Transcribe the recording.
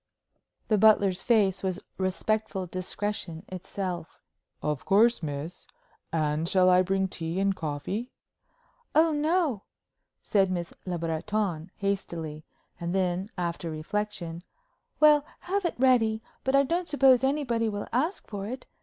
The butler's face was respectful discretion itself. "Of course, miss. And shall I bring tea and coffee?" "Oh no," said Miss Le Breton, hastily; and then, after reflection, "Well, have it ready; but I don't suppose anybody will ask for it.